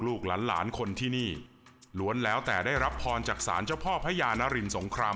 ลูกหลานคนที่นี่ล้วนแล้วแต่ได้รับพรจากศาลเจ้าพ่อพระยานรินสงคราม